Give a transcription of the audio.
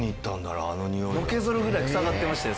のけぞるぐらい臭がってましたよ